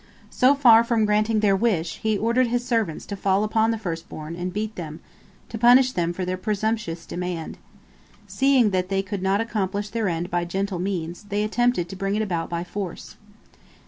So far from granting their wish, he ordered his servants to fall upon the first born and beat them, to punish them for their presumptuous demand. Seeing that they could not accomplish their end by gentle means, they attempted to bring it about by force.